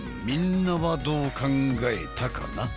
みんなはどう考えたかな？